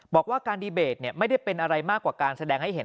บอกว่าการดีเบตไม่ได้เป็นอะไรมากกว่าการแสดงให้เห็น